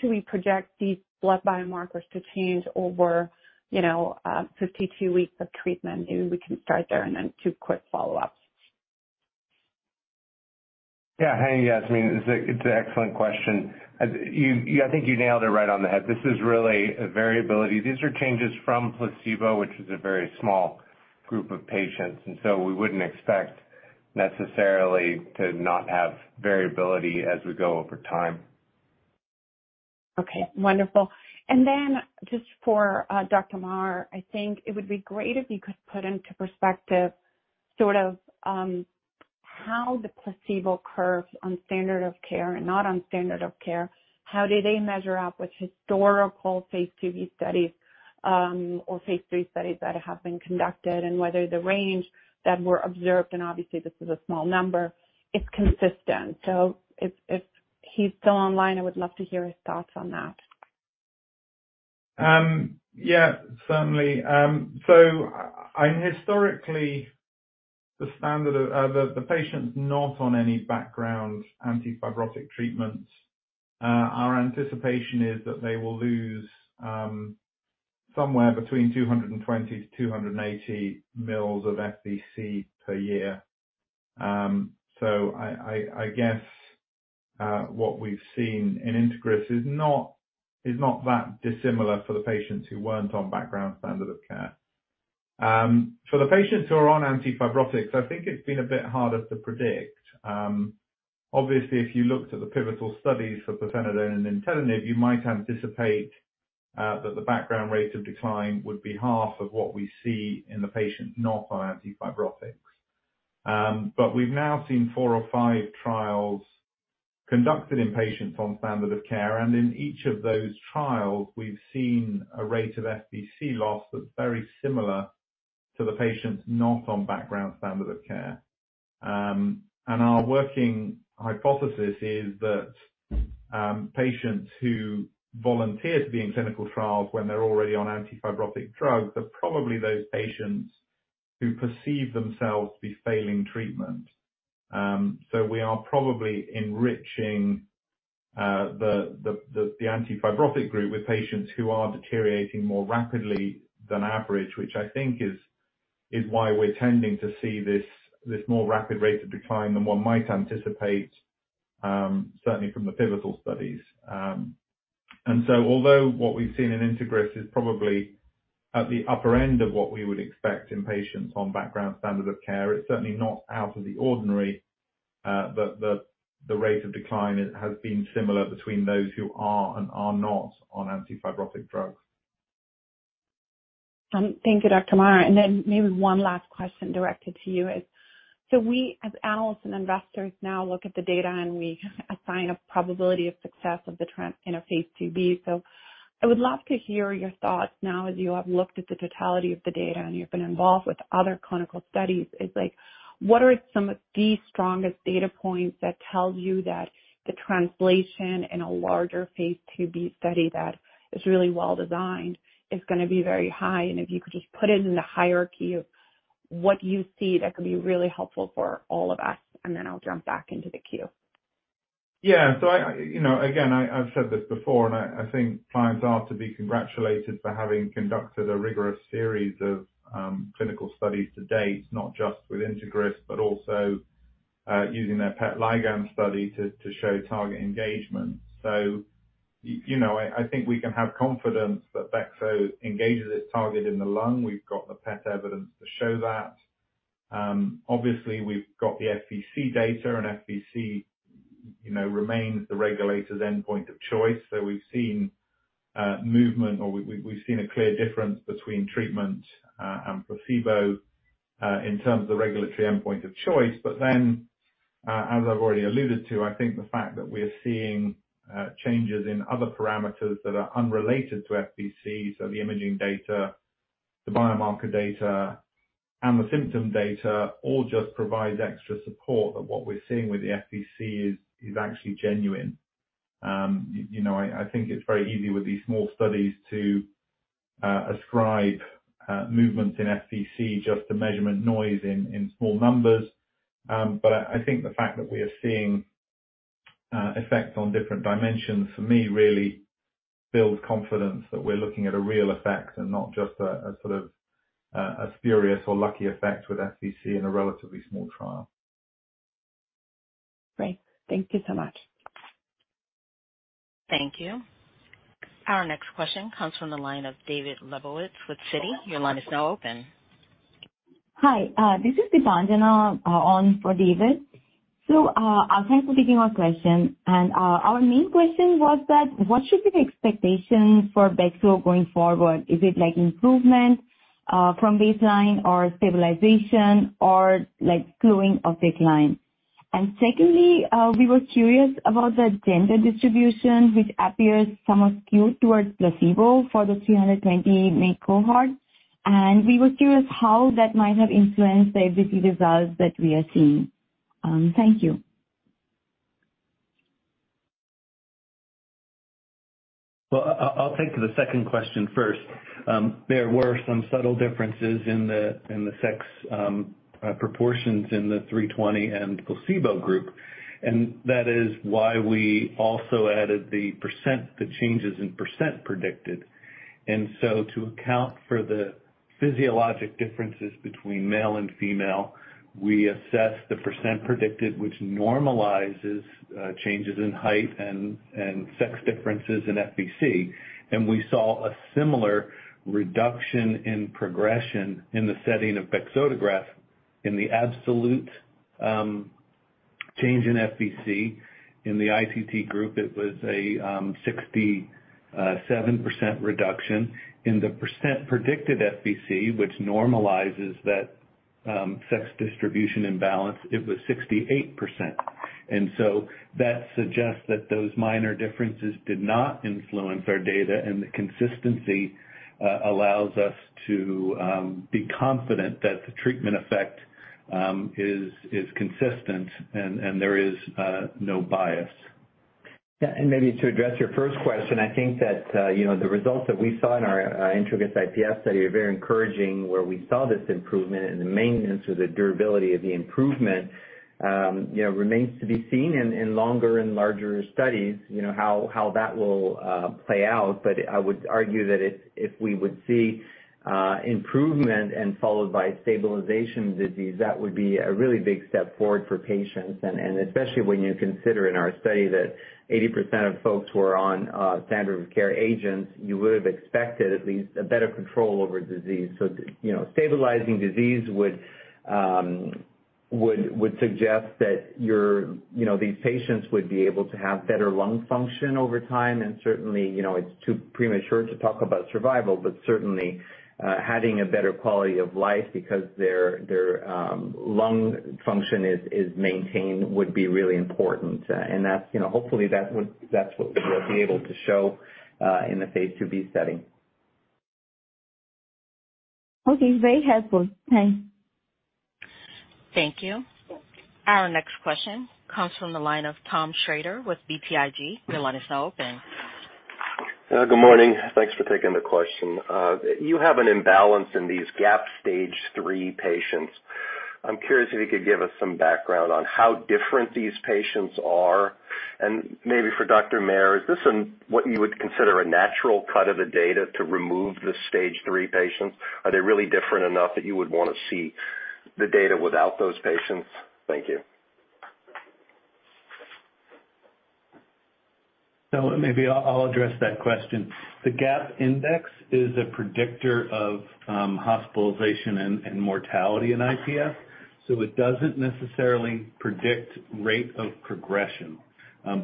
should we project these blood biomarkers to change over, you know, 52 weeks of treatment? Maybe we can start there and then two quick follow-ups. Hey, Yasmeen. It's an excellent question. As you I think you nailed it right on the head. This is really a variability. These are changes from placebo, which is a very small group of patients, we wouldn't expect necessarily to not have variability as we go over time. Okay, wonderful. Just for Dr. Maher, I think it would be great if you could put into perspective sort of how the placebo curves on standard of care and not on standard of care. How do they measure up with historical phase 2b studies or phase 3 studies that have been conducted, and whether the range that were observed, and obviously this is a small number, is consistent. If he's still online, I would love to hear his thoughts on that. Certainly. I historically the standard of the patients not on any background antifibrotic treatments, our anticipation is that they will lose somewhere between 220-280 mils of FVC per year. I guess what we've seen in INTEGRIS is not that dissimilar for the patients who weren't on background standard of care. For the patients who are on antifibrotics, I think it's been a bit harder to predict. Obviously, if you looked at the pivotal studies for pirfenidone and nintedanib, you might anticipate that the background rate of decline would be half of what we see in the patients not on antifibrotics. We've now seen four or five trials conducted in patients on standard of care, and in each of those trials, we've seen a rate of FVC loss that's very similar to the patients not on background standard of care. Our working hypothesis is that patients who volunteer to be in clinical trials when they're already on antifibrotic drugs are probably those patients who perceive themselves to be failing treatment. We are probably enriching the antifibrotic group with patients who are deteriorating more rapidly than average, which I think is why we're tending to see this more rapid rate of decline than one might anticipate, certainly from the pivotal studies. Although what we've seen in INTEGRIS is probably at the upper end of what we would expect in patients on background standard of care, it's certainly not out of the ordinary, that the rate of decline has been similar between those who are and are not on antifibrotic drugs. Thank you, Dr. Maher. Maybe one last question directed to you is, we, as analysts and investors now look at the data, and we assign a probability of success of the trend in a phase 2b. I would love to hear your thoughts now as you have looked at the totality of the data and you've been involved with other clinical studies. It's like, what are some of the strongest data points that tell you that the translation in a larger phase 2b study that is really well designed is gonna be very high? If you could just put it in the hierarchy of what you see, that could be really helpful for all of us, and then I'll jump back into the queue. Yeah. I, you know, again, I've said this before, I think Pliant are to be congratulated for having conducted a rigorous series of clinical studies to date, not just with INTEGRIS, but also using their PET ligand study to show target engagement. You know, I think we can have confidence that bexo engages its target in the lung. We've got the PET evidence to show that. Obviously we've got the FVC data and FVC, you know, remains the regulator's endpoint of choice. We've seen movement or we've seen a clear difference between treatment and placebo in terms of the regulatory endpoint of choice. As I've already alluded to, I think the fact that we are seeing changes in other parameters that are unrelated to FVC, so the imaging data, the biomarker data, and the symptom data all just provides extra support that what we're seeing with the FVC is actually genuine. You, you know, I think it's very easy with these small studies to ascribe movements in FVC just to measurement noise in small numbers. I think the fact that we are seeing effects on different dimensions, for me, really builds confidence that we're looking at a real effect and not just a sort of a spurious or lucky effect with FVC in a relatively small trial. Great. Thank you so much. Thank you. Our next question comes from the line of David Lebowitz with Citi. Your line is now open. Hi. This is Deepanjana, on for David. Thanks for taking our question. Our main question was that what should be the expectations for bexo going forward? Is it like improvement, from baseline or stabilization or like slowing of decline? Secondly, we were curious about the gender distribution, which appears somewhat skewed towards placebo for the 320 main cohort. We were curious how that might have influenced the FVC results that we are seeing. Thank you. Well, I'll take the second question first. there were some subtle differences in the sex proportions in the 320 and placebo group, and that is why we also added the percent, the changes in percent predicted. to account for the physiologic differences between male and female, we assessed the percent predicted, which normalizes changes in height and sex differences in FVC. We saw a similar reduction in progression in the setting of bexotegrast in the absolute change in FVC. In the ITT group, it was a 67% reduction. In the percent predicted FVC, which normalizes that sex distribution imbalance, it was 68%. That suggests that those minor differences did not influence our data, and the consistency allows us to be confident that the treatment effect is consistent and there is no bias. Yeah. Maybe to address your first question, I think that, you know, the results that we saw in our INTEGRIS-IPF study are very encouraging, where we saw this improvement and the maintenance or the durability of the improvement, you know, remains to be seen in longer and larger studies, you know, how that will play out. I would argue that if we would see improvement and followed by stabilization disease, that would be a really big step forward for patients. Especially when you consider in our study that 80% of folks who are on standard of care agents, you would have expected at least a better control over disease. You know, stabilizing disease would suggest that, you know, these patients would be able to have better lung function over time. Certainly, you know, it's too premature to talk about survival, but certainly, having a better quality of life because their lung function is maintained would be really important. That's, you know, hopefully that's what we will be able to show in the phase 2b setting. Okay. Very helpful. Thanks. Thank you. Our next question comes from the line of Tom Shrader with BTIG. Your line is now open. Good morning. Thanks for taking the question. You have an imbalance in these GAP stage three patients. I'm curious if you could give us some background on how different these patients are. Maybe for Dr. Maher, is this what you would consider a natural cut of the data to remove the stage three patients? Are they really different enough that you would wanna see the data without those patients? Thank you. Maybe I'll address that question. The GAP index is a predictor of hospitalization and mortality in IPF. It doesn't necessarily predict rate of progression,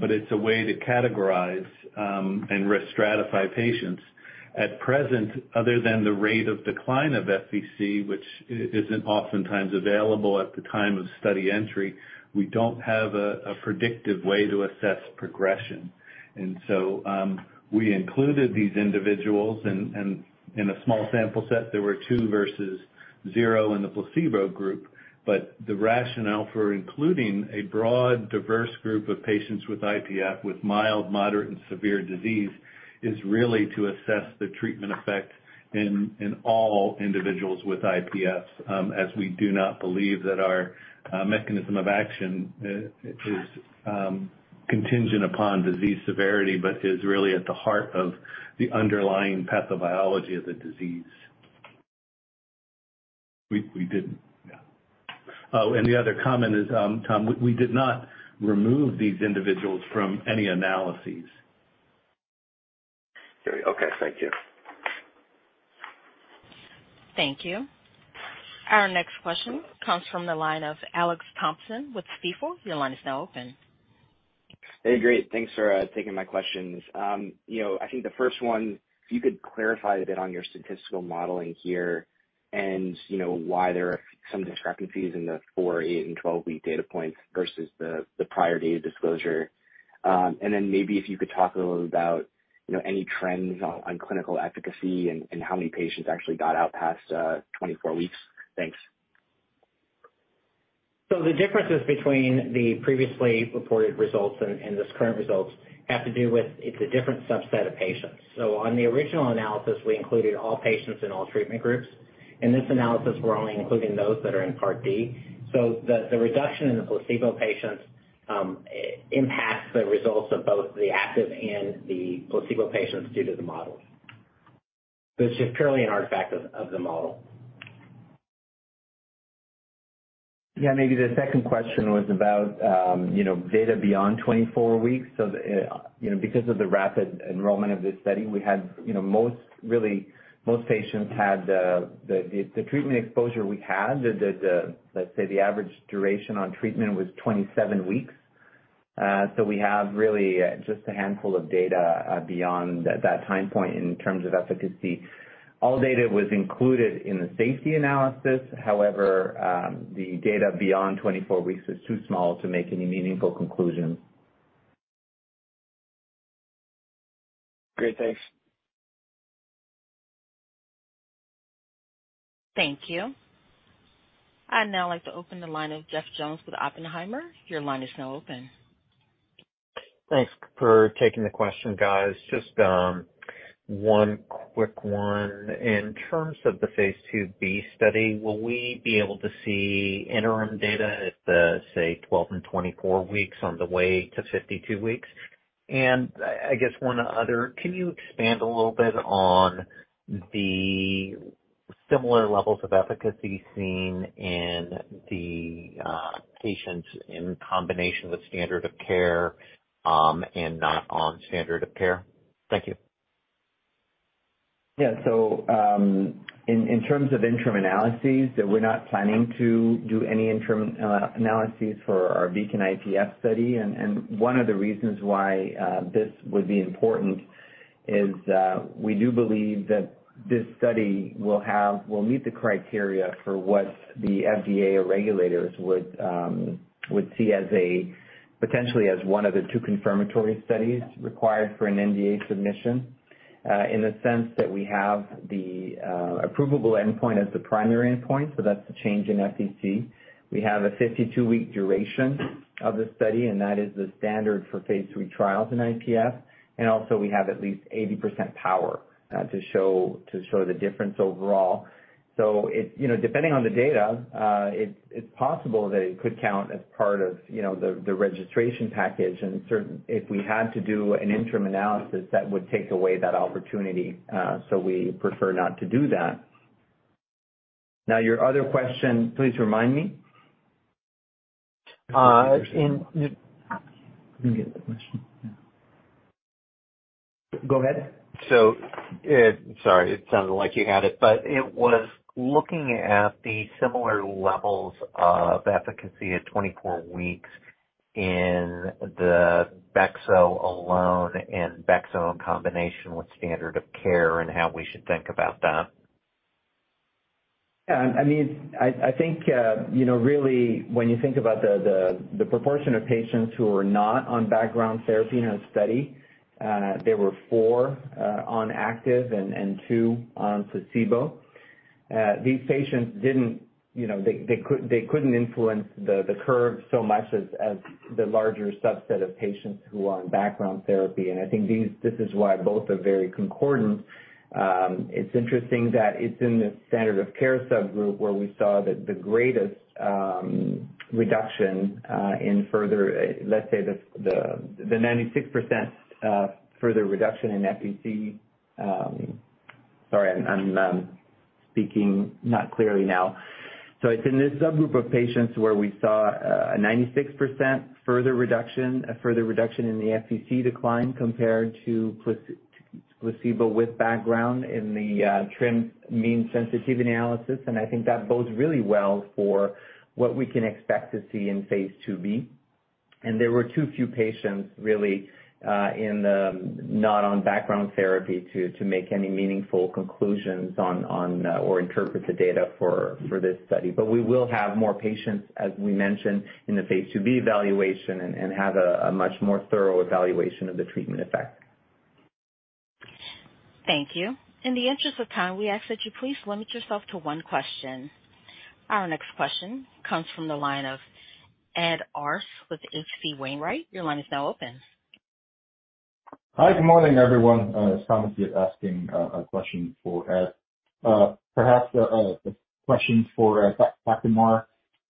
but it's a way to categorize and risk stratify patients. At present, other than the rate of decline of FVC, which isn't oftentimes available at the time of study entry, we don't have a predictive way to assess progression. We included these individuals in a small sample set. There were two versus zero in the placebo group. The rationale for including a broad, diverse group of patients with IPF with mild, moderate, and severe disease is really to assess the treatment effect in all individuals with IPF, as we do not believe that our mechanism of action is contingent upon disease severity, but is really at the heart of the underlying pathobiology of the disease. We didn't. Yeah. The other comment is, Tom, we did not remove these individuals from any analyses. Okay, thank you. Thank you. Our next question comes from the line of Alex Thompson with Stifel. Your line is now open. Hey, great. Thanks for taking my questions. You know, I think the first one, if you could clarify a bit on your statistical modeling here and you know why there are some discrepancies in the four, eight, and 12-week data points versus the prior data disclosure. Then maybe if you could talk a little about, you know, any trends on clinical efficacy and how many patients actually got out past 24 weeks. Thanks. The differences between the previously reported results and this current results have to do with it's a different subset of patients. On the original analysis, we included all patients in all treatment groups. In this analysis, we're only including those that are in part D. The reduction in the placebo patients impacts the results of both the active and the placebo patients due to the models. It's just purely an artifact of the model. Maybe the second question was about, you know, data beyond 24 weeks. You know, because of the rapid enrollment of this study, we had, you know, most really most patients had treatment exposure we had, let's say the average duration on treatment was 27 weeks. We have really just a handful of data beyond that time point in terms of efficacy. All data was included in the safety analysis. The data beyond 24 weeks is too small to make any meaningful conclusions. Great. Thanks. Thank you. I'd now like to open the line of Jeff Jones with Oppenheimer. Your line is now open. Thanks for taking the question, guys. Just one quick one. In terms of the phase 2b study, will we be able to see interim data at the, say, 12 and 24 weeks on the way to 52 weeks? I guess one other, can you expand a little bit on the similar levels of efficacy seen in the patients in combination with standard of care, and not on standard of care? Thank you. In terms of interim analyses, we're not planning to do any interim analyses for our BEACON-IPF study. One of the reasons why this would be important is, we do believe that this study will meet the criteria for what the FDA or regulators would see as a potentially as one of the two confirmatory studies required for an NDA submission. In the sense that we have the approvable endpoint as the primary endpoint, so that's the change in FVC. We have a 52-week duration of the study, and that is the standard for phase 3 trials in IPF. Also we have at least 80% power to show the difference overall. So it... You know, depending on the data, it's possible that it could count as part of, you know, the registration package. If we had to do an interim analysis, that would take away that opportunity, so we prefer not to do that. Now, your other question, please remind me. Let me get the question. Yeah. Go ahead. Sorry, it sounded like you had it, but it was looking at the similar levels of efficacy at 24 weeks in the Bexo alone and Bexo in combination with standard of care and how we should think about that. I mean, I think, you know, really when you think about the proportion of patients who are not on background therapy in our study, there were four on active and two on placebo. These patients didn't, you know, they couldn't influence the curve so much as the larger subset of patients who are on background therapy. I think this is why both are very concordant. It's interesting that it's in the standard of care subgroup where we saw the greatest reduction in further, let's say, the 96% further reduction in ELF. Sorry, I'm speaking not clearly now. It's in this subgroup of patients where we saw a 96% further reduction, a further reduction in the ELF decline compared to placebo with background in the trimmed mean sensitivity analysis. I think that bodes really well for what we can expect to see in phase 2b. There were too few patients really in the not on background therapy to make any meaningful conclusions on or interpret the data for this study. We will have more patients, as we mentioned, in the phase 2b evaluation and have a much more thorough evaluation of the treatment effect. Thank you. In the interest of time, we ask that you please limit yourself to one question. Our next question comes from the line of Ed Arce with H.C. Wainwright. Your line is now open. Hi, good morning, everyone. Thomas here asking a question for Ed. Perhaps a question for Dr. Maher.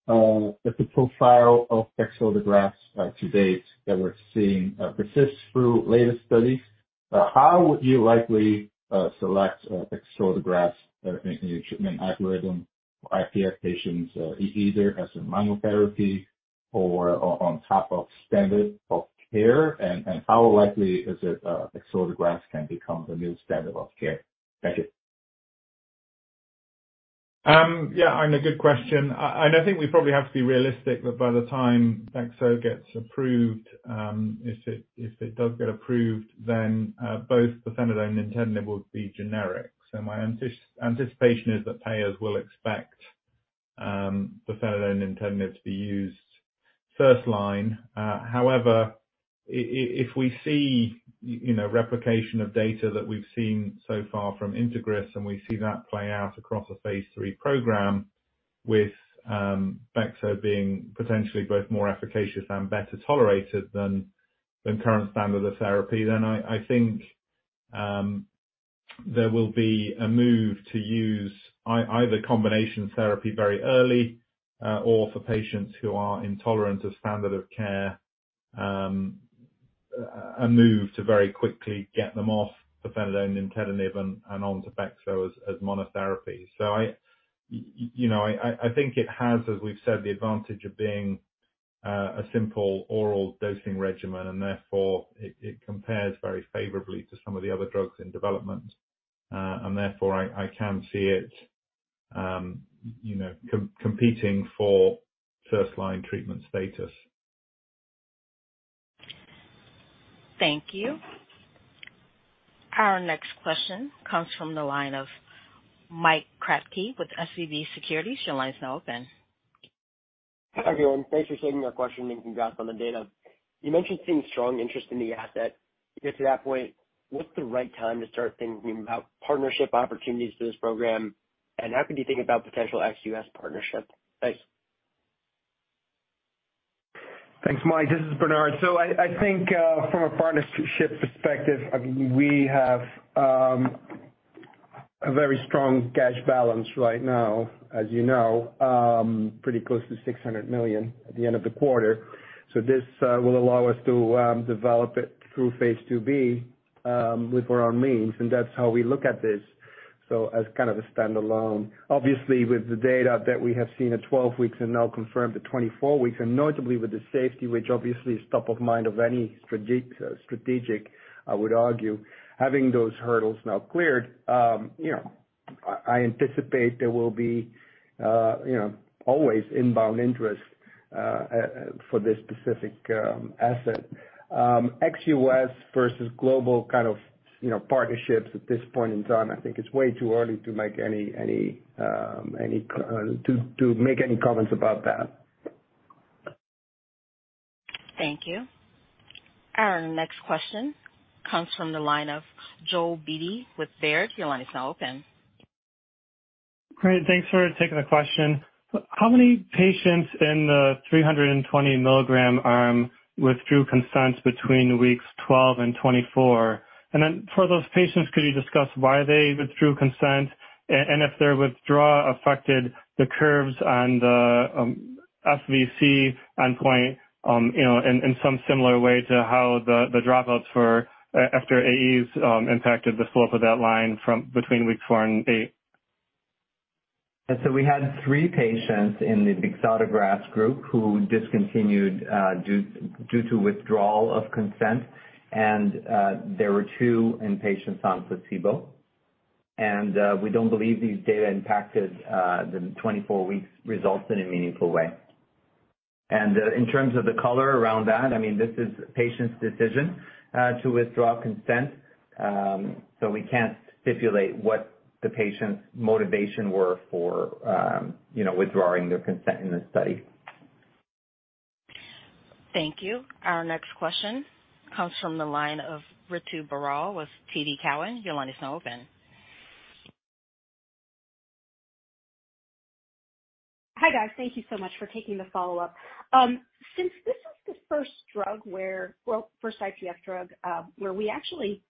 If the profile of bexotegrast, to date that we're seeing, persists through latest studies, how would you likely select bexotegrast in your treatment algorithm for IPF patients, either as a monotherapy or on top of standard of care? How likely is it, bexotegrast can become the new standard of care? Thank you. Yeah, good question. I think we probably have to be realistic that by the time bexo gets approved, if it does get approved, then both pirfenidone and nintedanib will be generic. My anticipation is that payers will expect pirfenidone, nintedanib to be used first line. However, if we see, you know, replication of data that we've seen so far from INTEGRIS, and we see that play out across a phase three program with bexo being potentially both more efficacious and better tolerated than current standard of therapy, I think there will be a move to use either combination therapy very early, or for patients who are intolerant of standard of care, a move to very quickly get them off pirfenidone, nintedanib and onto bexo as monotherapy. You know, I think it has, as we've said, the advantage of being a simple oral dosing regimen, and therefore it compares very favorably to some of the other drugs in development. I can see it, you know, competing for first line treatment status. Thank you. Our next question comes from the line of Mike Kratky with Leerink Partners. Your line is now open. Hi, everyone. Thanks for taking our question and giving us on the data. You mentioned seeing strong interest in the asset. To get to that point, what's the right time to start thinking about partnership opportunities for this program? How can you think about potential ex-US partnership? Thanks. Thanks, Mike. This is Bernard. I think, from a partnership perspective, I mean, we have a very strong cash balance right now, as you know. Pretty close to $600 million at the end of the quarter. This will allow us to develop it through phase 2b with our own means. That's how we look at this, so as kind of a standalone. Obviously, with the data that we have seen at 12 weeks and now confirmed at 24 weeks. Notably with the safety which obviously is top of mind of any strategic, I would argue, having those hurdles now cleared, you know, I anticipate there will be, you know, always inbound interest for this specific asset ex-US versus global kind of, you know, partnerships at this point in time, I think it's way too early to make any comments about that. Thank you. Our next question comes from the line of Joel Beatty with Baird. Your line is now open. Great. Thanks for taking the question. How many patients in the 320 milligram arm withdrew consent between weeks 12 and 24? For those patients, could you discuss why they withdrew consent and if their withdrawal affected the curves on the SVC endpoint, you know, in some similar way to how the dropouts for after AEs impacted the slope of that line from between weeks 4 and 8? We had three patients in the bexotegrast group who discontinued due to withdrawal of consent. There were two inpatients on placebo. We don't believe these data impacted the 24 weeks results in a meaningful way. I mean, this is patient's decision to withdraw consent. We can't stipulate what the patient's motivation were for, you know, withdrawing their consent in the study. Thank you. Our next question comes from the line of Ritu Baral with TD Cowen. Your line is now open. Hi, guys. Thank you so much for taking the follow-up. Since this is the first drug, well, first IPF drug, where we actually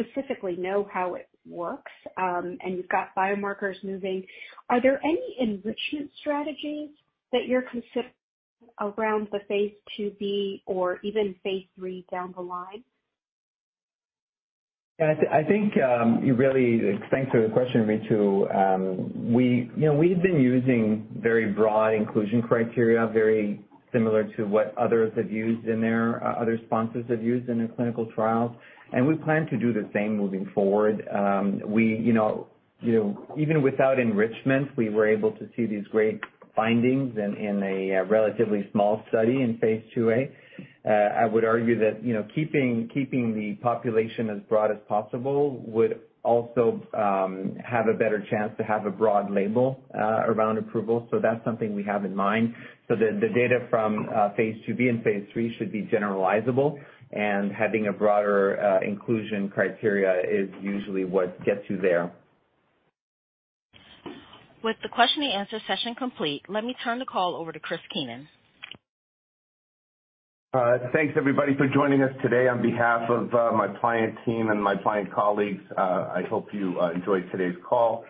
specifically know how it works, and you've got biomarkers moving, are there any enrichment strategies that you're considering around the phase 2b or even phase 3 down the line? I think, Thanks for the question, Ritu. We, you know, we've been using very broad inclusion criteria, very similar to what others have used in their other sponsors have used in their clinical trials. We plan to do the same moving forward. We, you know, even without enrichment, we were able to see these great findings in a relatively small study in phase 2a. I would argue that, you know, keeping the population as broad as possible would also have a better chance to have a broad label around approval. That's something we have in mind so that the data from phase 2b and phase 3 should be generalizable. Having a broader inclusion criteria is usually what gets you there. With the question and answer session complete, let me turn the call over to Chris Keenan. Thanks everybody for joining us today. On behalf of my Pliant team and my Pliant colleagues, I hope you enjoyed today's call.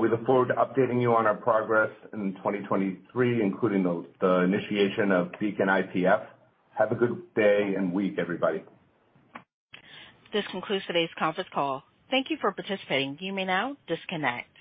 We look forward to updating you on our progress in 2023, including the initiation of BEACON-IPF. Have a good day and week, everybody. This concludes today's conference call. Thank you for participating. You may now disconnect.